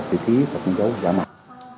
chữ ký và phần giấu giả mạng